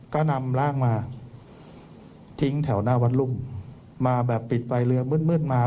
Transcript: ก็นำร่างมาทิ้งแถวหน้าวัดรุ่งมาแบบปิดไฟเรือมืดมืดมา